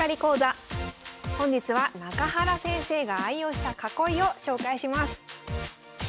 本日は中原先生が愛用した囲いを紹介します